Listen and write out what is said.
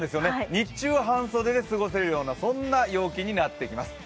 日中は半袖で過ごせるようなそんな陽気になってきます。